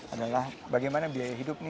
adalah bagaimana biaya hidup